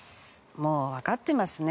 もうわかってますね。